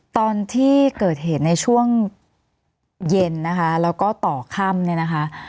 ตอนที่เกิดเหตุในช่วงเย็นนะคะแล้วก็ต่อค่ำเนี่ยนะคะ